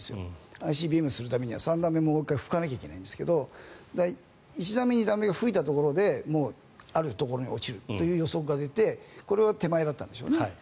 ＩＣＢＭにするためには３段目も吹かないといけないんですが１段目、２段目が吹いた時にもうあるところに落ちるという予測が出てこれが手前だったんでしょうね。